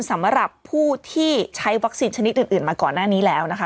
สำหรับผู้ที่ใช้วัคซีนชนิดอื่นมาก่อนหน้านี้แล้วนะคะ